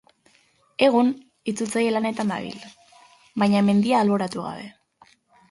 Egun, itzultzaile lanetan dabil, baina mendia alboratu gabe.